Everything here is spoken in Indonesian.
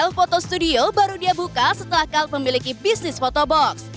self photo studio baru dia buka setelah kalt memiliki bisnis fotobox